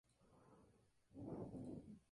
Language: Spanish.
Fue ovacionado por el público.